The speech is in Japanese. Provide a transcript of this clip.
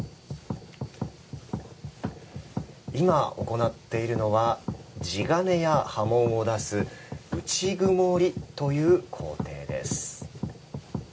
今、行っているのは地鉄や刃文を出す内曇という工程です。